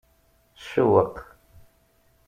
Cewweq.